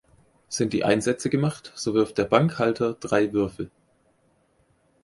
Sind die Einsätze gemacht, so wirft der Bankhalter drei Würfel.